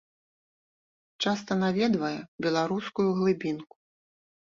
Часта наведвае беларускую глыбінку.